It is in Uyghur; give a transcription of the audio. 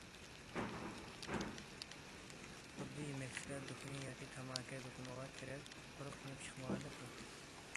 خۇددى يېمەكلىكلەر دۇكىنى ياكى تاماكا دۇكىنىغا كىرىپ قۇرۇق يېنىپ چىقمىغاندەكلا.